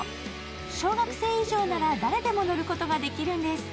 小学生以上なら誰でも乗ることができるんです。